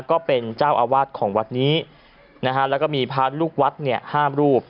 ก็เป็นเจ้าอาวาสของวัดนี้นะฮะแล้วก็มีพระลูกวัดเนี่ยห้ามรูป